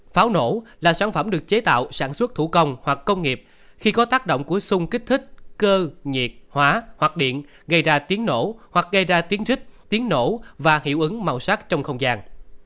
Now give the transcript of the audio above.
pháo nổ là sản phẩm được chế tạo sản xuất thủ công hoặc công nghiệp khi có tác động của sung kích thích cơ nhiệt hóa hoặc điện gây ra tiếng nổ hoặc gây ra tiếng rích tiếng nổ và hiệu ứng màu sắc trong không gian